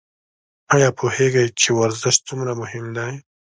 ایا پوهیږئ چې ورزش څومره مهم دی؟